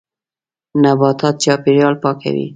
نباتات چاپېریال پاکوي.